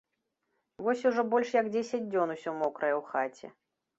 Вось ужо больш як дзесяць дзён усё мокрае ў хаце.